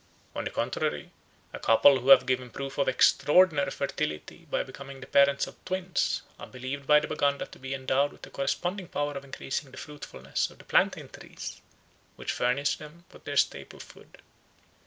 On the contrary, a couple who have given proof of extraordinary fertility by becoming the parents of twins are believed by the Baganda to be endowed with a corresponding power of increasing the fruitfulness of the plantain trees, which furnish them with their staple food.